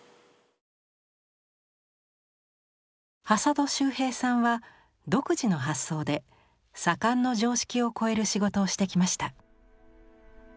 挾土秀平さんは独自の発想で左官の常識を超える仕事をしてきました。